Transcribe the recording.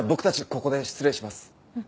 ここで失礼します。